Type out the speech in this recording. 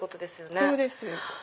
そうです。